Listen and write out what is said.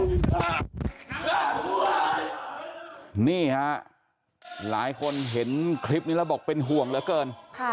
นี่ฮะหลายคนเห็นคลิปนี้แล้วบอกเป็นห่วงเหลือเกิน